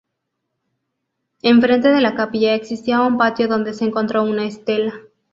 Enfrente de la capilla existía un patio donde se encontró una estela.